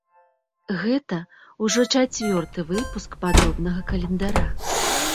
Гэта ўжо чацвёрты выпуск падобнага календара.